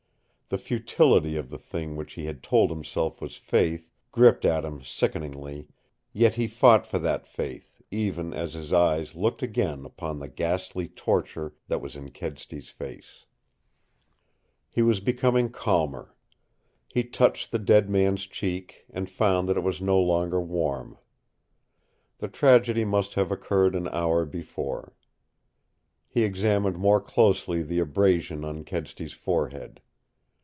The futility of the thing which he had told himself was faith gripped at him sickeningly, yet he fought for that faith, even as his eyes looked again upon the ghastly torture that was in Kedsty's face. He was becoming calmer. He touched the dead man's cheek and found that it was no longer warm. The tragedy must have occurred an hour before. He examined more closely the abrasion on Kedsty's forehead.